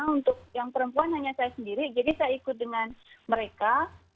untuk yang perempuan hanya saya sendiri jadi saya ikut dengan mereka